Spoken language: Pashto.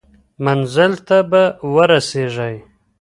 منزل ته به ورسیږئ.